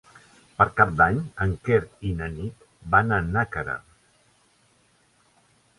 Per Cap d'Any en Quer i na Nit van a Nàquera.